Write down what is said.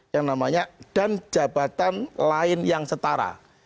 yang namanya dan jabatan lain yang setara